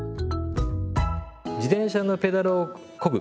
自転車のペダルをこぐ。